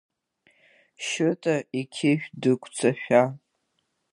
Шьыта иқьышә дықәҵашәа.